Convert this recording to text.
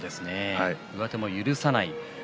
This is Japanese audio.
上手を許さない。